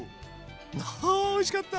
あおいしかった！